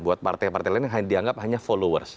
buat partai partai lain yang dianggap hanya followers